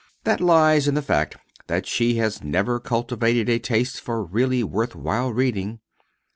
That lies in the fact that she has never cultivated a taste for really worth while reading.